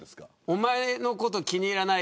お前のこと気に入らない。